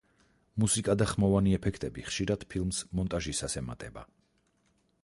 მუსიკა და ხმოვანი ეფექტები ხშირად ფილმს მონტაჟისას ემატება.